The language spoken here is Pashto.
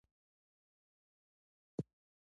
هندوکش افغانانو ته معنوي ارزښت لري.